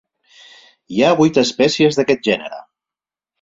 Hi ha vuit espècies d'aquest gènere.